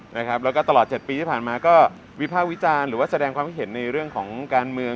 แล้วก็ตลอด๗ปีที่ผ่านมาก็วิภาควิจารณ์หรือว่าแสดงความคิดเห็นในเรื่องของการเมือง